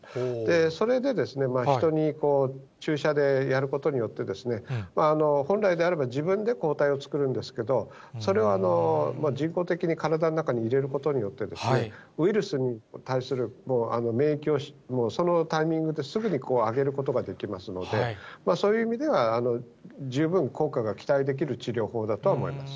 それで、人に注射でやることによって、本来であれば、自分で抗体を作るんですけれども、それを人工的に体の中に入れることによって、ウイルスに対する免疫を、そのタイミングですぐに上げることができますので、そういう意味では、十分、効果が期待できる治療法だとは思います。